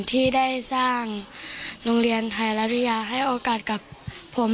ที่ได้สร้างโรงเรียนไทยรัฐวิทยาให้โอกาสกับผม